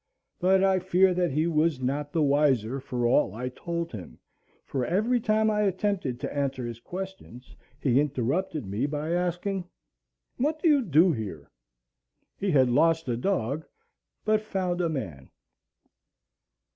But I fear that he was not the wiser for all I told him, for every time I attempted to answer his questions he interrupted me by asking, "What do you do here?" He had lost a dog, but found a man.